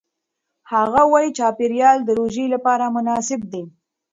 هغه وايي چاپېریال د روژې لپاره مناسب دی.